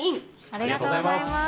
ありがとうございます。